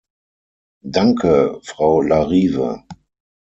Danke, Frau Larive.